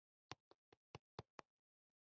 وېل دا خو د ښو ځوانانو کار دی.